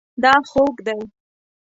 دا خوږ دی